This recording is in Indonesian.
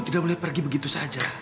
tidak boleh pergi begitu saja